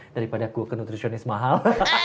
daripada kul ke nutritionis mahal